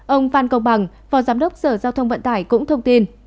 ông phan công bằng phó giám đốc sở giao thông vận tải cũng thông tin